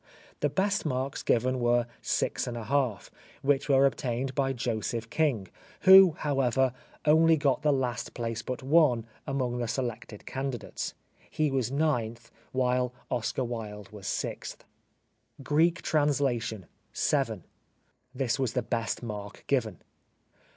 The best marks given were 6 J, which were obtained by Joseph King, who, however, only got the last place but one among the selected candidates. He was ninth, while Oscar Wilde was sixth.) Greek Translation — 7. (This was the best mark given.)